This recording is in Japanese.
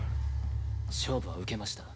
勝負は受けました。